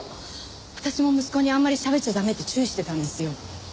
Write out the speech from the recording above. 私も息子にあんまりしゃべっちゃ駄目って注意してたんですよ。